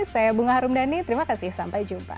saya bunga harumdani terima kasih sampai jumpa